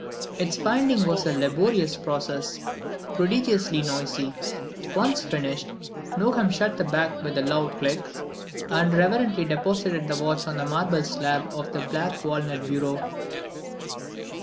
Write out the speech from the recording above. Its winding was a laborious process, prodigiously noisy. Once finished, Nogam shut the back with a loud click, and reverently deposited the watch on the marble slab of the black walnut bureau.